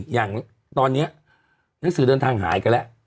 อย่างตอนนี้หนังสือเดินทางหายกันแล้ว